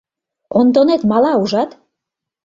Онтонет мала, ужат?